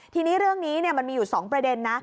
ทีนี้เรื่องนี้มันมีอยู่๒ประเด็นนะ